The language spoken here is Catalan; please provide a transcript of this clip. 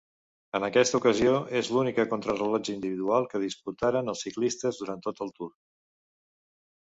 En aquesta ocasió és l'única contrarellotge individual que disputaren els ciclistes durant tot el Tour.